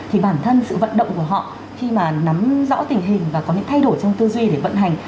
thì bản thân sự vận động của họ khi mà nắm rõ tình hình và có những thay đổi trong tư duy để vận hành